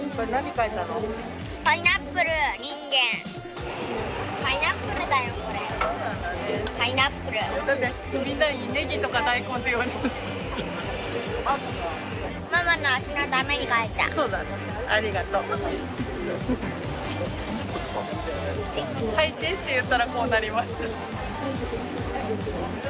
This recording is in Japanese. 描いてって言ったらこうなりました。